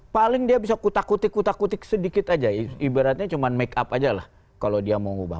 paling dia bisa kutak kutik kutak kutik sedikit aja ibaratnya cuma make up aja lah kalau dia mau ngubah